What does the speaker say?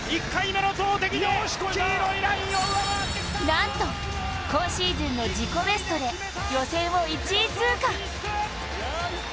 なんと今シーズンの自己ベストで予選を１位通過。